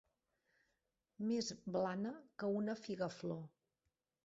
Més blana que una figaflor.